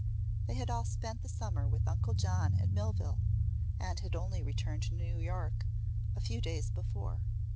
They had all spent the summer with Uncle John at Millville, and had only returned to New York a few days before.